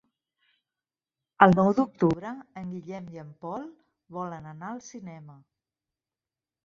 El nou d'octubre en Guillem i en Pol volen anar al cinema.